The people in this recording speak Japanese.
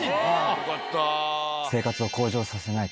よかった。